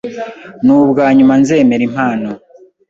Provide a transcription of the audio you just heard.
Nubwa nyuma nzemera impano.